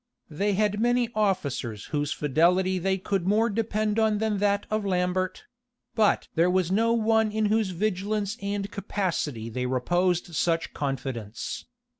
They had many officers whose fidelity they could more depend on than that of Lambert; but there was no one in whose vigilance and capacity they reposed such confidence.